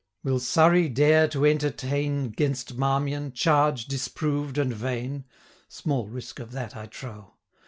Will Surrey dare to entertain, 'Gainst Marmion, charge disproved and vain? Small risk of that, I trow.